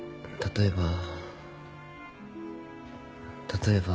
例えば。